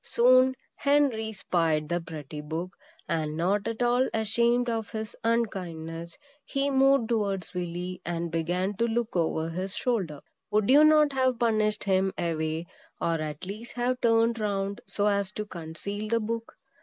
Soon Henry spied the pretty book; and not at all ashamed of his unkindness, he moved towards Willy, and began to look over his shoulder. Would you not have pushed him away, or at least have turned round so as to conceal the book?